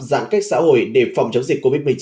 giãn cách xã hội để phòng chống dịch covid một mươi chín